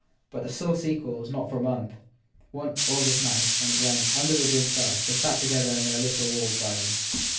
But the full sequel was not for a month one hot August night when, under the dim stars, they sat together in their little walled garden.